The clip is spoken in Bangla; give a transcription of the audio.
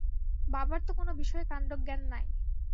বাবার তো কোনো বিষয়ে কাণ্ডজ্ঞান নাই।